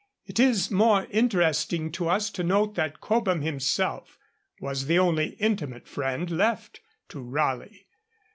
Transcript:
It is more interesting to us to note that Cobham himself was the only intimate friend left to Raleigh.